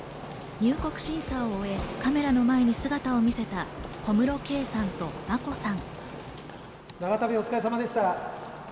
入国審査を終え、カメラの前に姿を見せた小室圭さんと眞子さん。